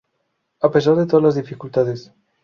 A pesar de todas las dificultades.